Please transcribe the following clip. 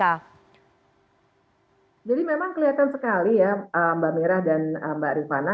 jadi memang kelihatan sekali ya mbak mirah dan mbak rifana